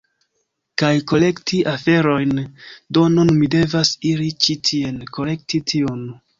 kaj kolekti aferojn, do nun mi devas iri ĉi tien, kolekti tiun…